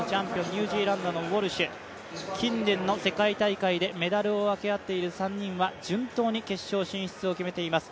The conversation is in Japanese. ニュージーランドのウォルシュ近年の世界大会でメダルを分け合っている３人は順当に決勝進出を決めています。